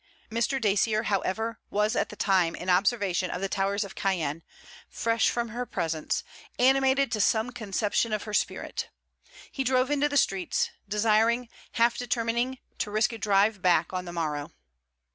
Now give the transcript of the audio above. Mr. Dacier however was at the time in observation of the towers of Caen, fresh from her presence, animated to some conception of her spirit. He drove into the streets, desiring, half determining, to risk a drive back on the morrow.